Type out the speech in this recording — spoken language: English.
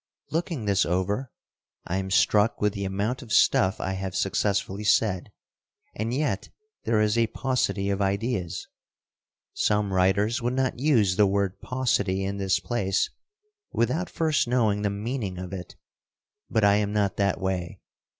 Looking this over, I am struck with the amount of stuff I have successfully said, and yet there is a paucity of ideas. Some writers would not use the word paucity in this place without first knowing the meaning of it, but I am not that way.